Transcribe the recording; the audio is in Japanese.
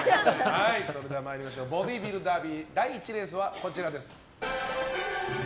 それではボディービルダービー第１レースはこちらです。